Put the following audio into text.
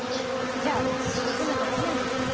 じゃあすごく仲よしなんですね。